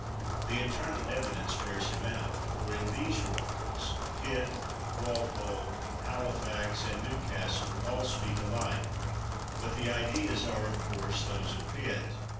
The internal evidence bears him out, for in these reports Pitt, Walpole, Halifax, and New castle all speak alike. But the ideas are of course those of Pitt.